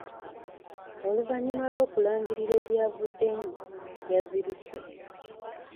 Oluvannyuma lw'okulangirira ebyavuddemu, yazirise.